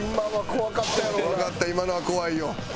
怖かった今のは怖いよ。